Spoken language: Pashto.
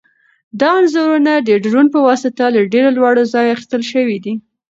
دا انځورونه د ډرون په واسطه له ډېر لوړ ځایه اخیستل شوي دي.